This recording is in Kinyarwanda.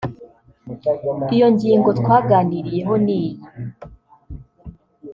Iyo ngingo twaganiriyeho ni iyi